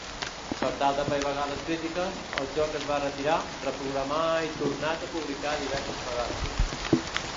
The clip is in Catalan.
Per tal d'apaivagar les crítiques, el joc es va retirar, reprogramar i tornat a publicar diverses vegades.